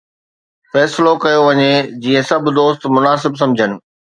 فيصلو ڪيو وڃي جيئن سڀ دوست مناسب سمجهن.